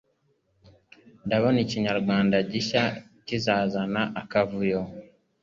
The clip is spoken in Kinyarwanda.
Ndabona ikinyarwanda gishya kizazana akavuyo